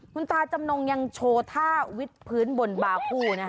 คุณตาจำนงยังโชว์ท่าวิทพื้นบนบาคู่